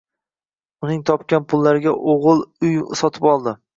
Uning topgan pullariga o`g`il uy sotib oldi